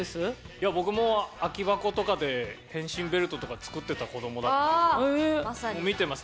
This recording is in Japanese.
いや僕も空き箱とかで変身ベルトとか作ってた子供だったので見てます。